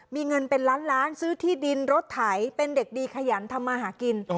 มีเงินเป็นล้านล้านซื้อที่ดินรถไถเป็นเด็กดีขยันทำมาหากิน